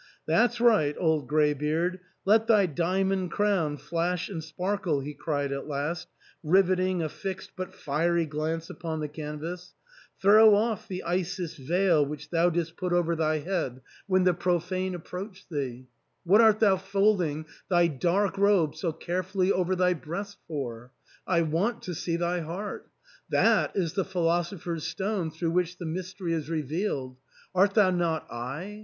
" That's right, old greybeard, let thy diamond crown flash and sparkle," he cried at last, rivet ing a fixed but fiery glance upon the canvas. " Throw off \h& I sis veil wViicVi tYiou d\d^\. ^wl ov^r thy head ARTHUR'S HALL. 341 when the profane approached thee. What art thou folding thy dark robe so carefully over thy breast for ? I want to see thy heart ; that is the philosopher's stone through which the mystery is revealed. Art thou not I